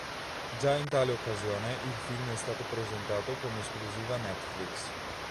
Già in tale occasione il film è stato presentato come esclusiva Netflix.